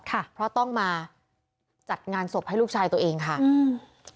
ค่ะเพราะต้องมาจัดงานศพให้ลูกชายตัวเองค่ะอืม